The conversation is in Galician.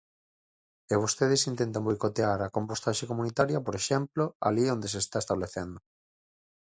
E vostedes intentan boicotear a compostaxe comunitaria, por exemplo, alí onde se está establecendo.